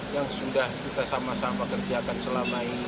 yang sudah kita sama sama kerjakan selama ini